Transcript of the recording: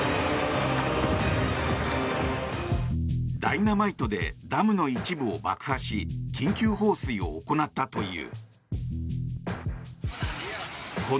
ダイナマイトでダムの一部を爆破し緊急放水を行ったという。